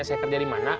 saya kerja di mana